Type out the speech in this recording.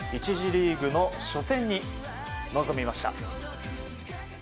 １次リーグの初戦に臨みました。